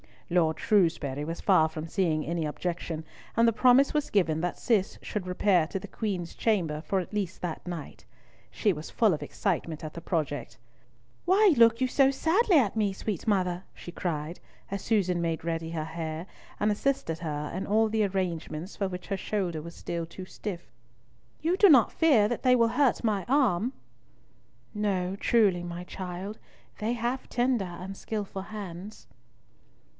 Lord Shrewsbury was far from seeing any objection, and the promise was given that Cis should repair to the Queen's chamber for at least that night. She was full of excitement at the prospect. "Why look you so sadly at me, sweet mother?" she cried, as Susan made ready her hair, and assisted her in all the arrangements for which her shoulder was still too stiff; "you do not fear that they will hurt my arm?" "No, truly, my child. They have tender and skilful hands."